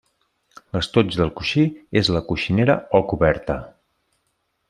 L'estoig del coixí és la coixinera o coberta.